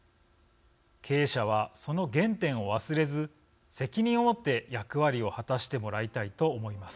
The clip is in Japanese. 経営者は、その原点を忘れず責任を持って役割を果たしてもらいたいと思います。